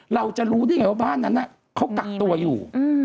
เราจะรู้ได้ไงว่าบ้านนั้นเขากักตัวอยู่